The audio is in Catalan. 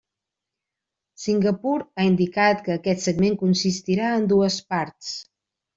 Singapur ha indicat que aquest segment consistirà en dues parts.